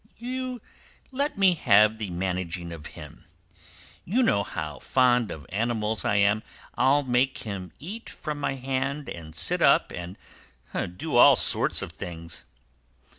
You let me have the managing of him. You know how fond of animals I am. I'll make him eat from my hand, and sit up, and do all sorts of things."